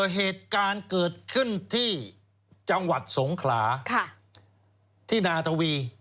เหตุการณ์เกิดขึ้นที่จังหวัดสงขลาที่นาทวี